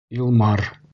Илмар!